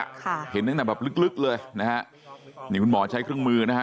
ค่ะเห็นตั้งแต่แบบลึกลึกเลยนะฮะนี่คุณหมอใช้เครื่องมือนะฮะ